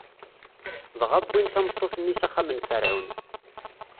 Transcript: Dɣa wwin tameṭṭut-nni s axxam n Ferɛun.